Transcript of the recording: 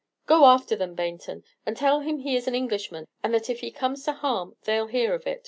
"Go after them, Baynton; tell them he is an Englishman, and that if he comes to harm they 'll hear of it!"